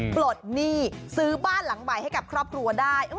ปลดหนี้ซื้อบ้านหลังใหม่ให้กับครอบครัวได้